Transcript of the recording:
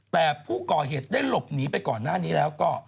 แต่ผู้ก่อเหตุได้หลบหนีไปก่อนหน้านี้แล้วก็